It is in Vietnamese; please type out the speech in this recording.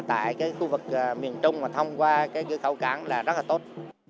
tại cái khu vực miền trung mà thông qua cái cửa khẩu cảng là rất là tốt